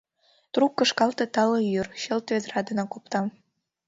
Трук кышкалте тале йӱр, Чылт ведра денак опта.